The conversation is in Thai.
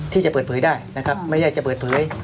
ที่จะเปิดเผยได้นะครับไม่ใช่จะเปิดเผย